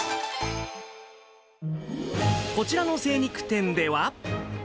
こちらの精肉店では。